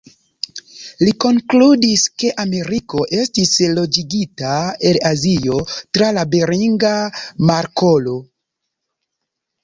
Li konkludis, ke Ameriko estis loĝigita el Azio tra la Beringa Markolo.